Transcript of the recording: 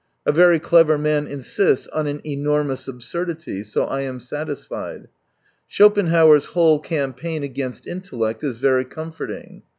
A very clever man insists on an enormous absurdity, so I am satisfied. Schopenhauer's whole cam paign against intellect is very comforting.